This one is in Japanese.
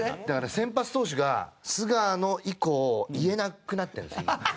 だから先発投手が菅野以降言えなくなってるんです今。